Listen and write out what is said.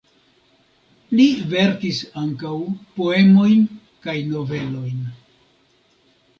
Li verkis ankaŭ poemojn kaj novelojn.